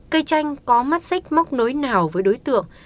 cây tranh có mắt xích móc nối nào với đối tượng